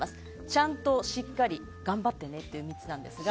ちゃんと、しっかり、頑張ってねという３つなんですが。